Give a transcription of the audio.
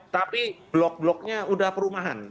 tapi blok bloknya udah perumahan